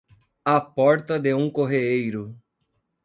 à porta de um correeiro